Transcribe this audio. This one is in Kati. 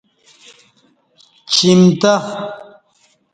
چِیمتہ